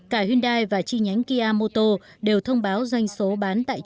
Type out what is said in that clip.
cả hyundai và chi nhánh kia motor đều thông báo doanh số bán tại trung quốc